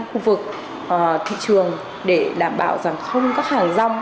khu vực thị trường để đảm bảo rằng không các hàng rong